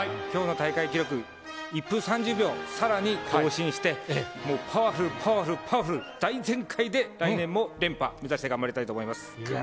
きょうの大会記録、１分３０秒、さらに更新して、もうパワフル、パワフル、パワフル、大全開で来年も連覇目指して頑張りたいと思います。